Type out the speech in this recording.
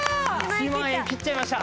１万円切っちゃいました！